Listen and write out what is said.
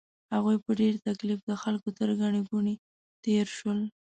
هغوی په ډېر تکلیف د خلکو تر ګڼې ګوڼې تېر شول.